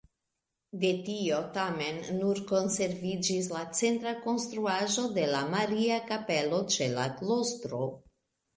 De tio tamen nur konserviĝis la centra konstruaĵo de la Maria-Kapelo ĉe la klostro.